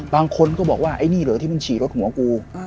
บางคนก็บอกว่าไอ้นี่เหรอที่มันฉี่รถหัวกู